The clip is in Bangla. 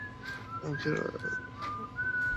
মুখের ভাবে মাজাঘষা ভদ্রতা, শান-দেওয়া ছুরির মতো।